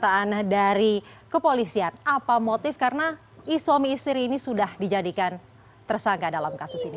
pernyataan dari kepolisian apa motif karena suami istri ini sudah dijadikan tersangka dalam kasus ini